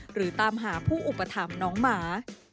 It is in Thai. หรือตามหาผู้อุปถัมภ์น้องหมา